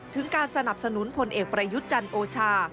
ถึงการสนับสนุนพลเอกประยุทธ์จันทร์โอชา